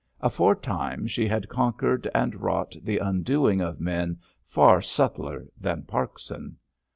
Aforetime she had conquered and wrought the undoing of men far subtler than Parkson.